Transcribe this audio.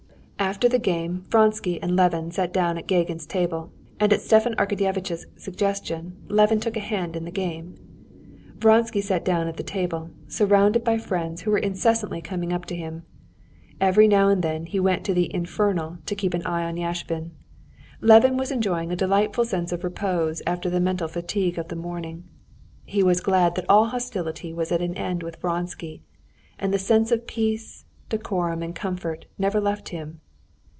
After the game Vronsky and Levin sat down at Gagin's table, and at Stepan Arkadyevitch's suggestion Levin took a hand in the game. Vronsky sat down at the table, surrounded by friends, who were incessantly coming up to him. Every now and then he went to the "infernal" to keep an eye on Yashvin. Levin was enjoying a delightful sense of repose after the mental fatigue of the morning. He was glad that all hostility was at an end with Vronsky, and the sense of peace, decorum, and comfort never left him.